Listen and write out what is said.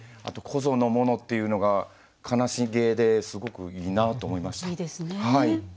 あと「去年のもの」っていうのが悲しげですごくいいなと思いました。